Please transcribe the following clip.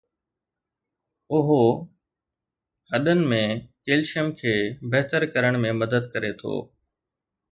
اهو هڏن ۾ ڪلسيم کي بهتر ڪرڻ ۾ مدد ڪري ٿو